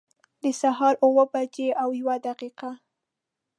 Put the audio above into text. د سهار اوه بجي او یوه دقيقه